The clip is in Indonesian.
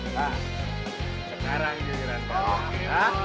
sekarang ini yang kita lakukan